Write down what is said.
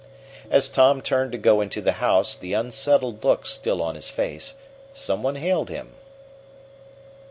As Tom turned to go into the house, the unsettled look still on his face, some one hailed him.